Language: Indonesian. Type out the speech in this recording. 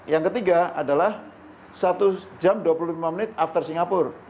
yang ketiga adalah satu jam dua puluh lima menit after singapura